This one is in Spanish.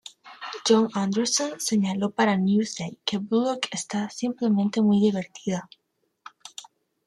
John Anderson señaló para "Newsday" que "Bullock está simplemente muy divertida".